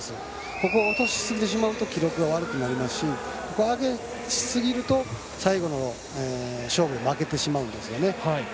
ここを落としすぎてしまうと記録が悪くなりますし上げすぎると最後の勝負に負けてしまうんです。